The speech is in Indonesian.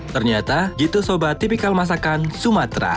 ternyata gitu sobat tipikal masakan sumatera